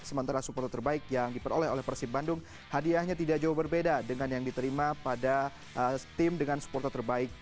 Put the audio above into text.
sementara supporter terbaik yang diperoleh oleh persib bandung hadiahnya tidak jauh berbeda dengan yang diterima pada tim dengan supporter terbaik